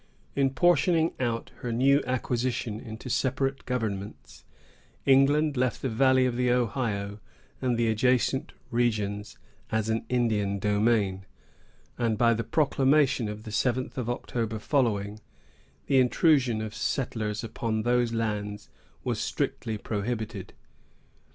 In portioning out her new acquisitions into separate governments, England left the valley of the Ohio and the adjacent regions as an Indian domain, and by the proclamation of the seventh of October following, the intrusion of settlers upon these lands was strictly prohibited.